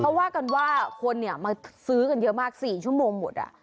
เขาว่ากันว่าคนมาซื้อกันเยอะมาก๔ชั่วโมงหมด